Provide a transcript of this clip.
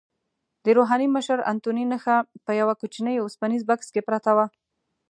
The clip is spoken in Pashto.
د روحاني مشر انتوني نخښه په یوه کوچني اوسپنیز بکس کې پرته وه.